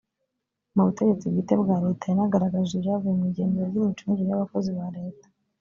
mu butegetsi bwite bwa leta yanagaragaje ibyavuye mu ingenzura ry imicungire y abakozi ba leta